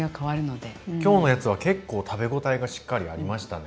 今日のやつは結構食べ応えがしっかりありましたね。